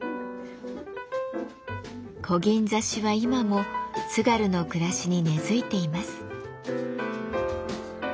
こぎん刺しは今も津軽の暮らしに根づいています。